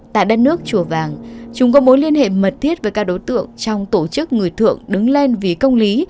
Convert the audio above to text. tại đất nước chùa vàng chúng có mối liên hệ mật thiết với các đối tượng trong tổ chức người thượng đứng lên vì công lý